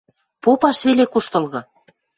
Попаш веле куштылгы.